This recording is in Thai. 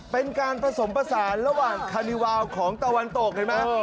เป็นการผสมผสานระหว่างคานิวาลของตะวันตกเห็นไหม